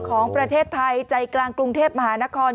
ของประเทศไทยใจกลางกรุงเทพมหานคร